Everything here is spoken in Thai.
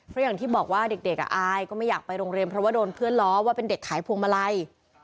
เพราะอย่างที่บอกว่าเด็กอายก็ไม่อยากไปโรงเรียนเพราะว่าโดนเพื่อนล้อว่าเป็นเด็กขายพวงมาลัย